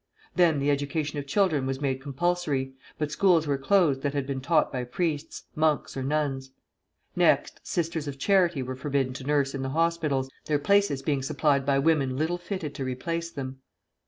Then the education of children was made compulsory; but schools were closed that had been taught by priests, monks, or nuns. Next, sisters of charity were forbidden to nurse in the hospitals, their places being supplied by women little fitted to replace them.